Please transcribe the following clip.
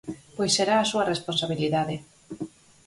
Pois será a súa responsabilidade.